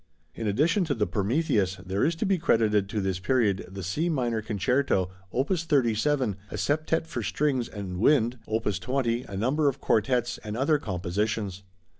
In addition to the Prometheus, there is to be credited to this period the C minor concerto, opus 37, a septet for strings and wind, opus 20, a number of quartets, and other compositions.